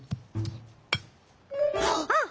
あっ。